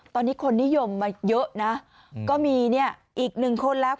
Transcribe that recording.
ตอนนี้คนนิยมมาเยอะนะก็มีเนี่ยอีกหนึ่งคนแล้ว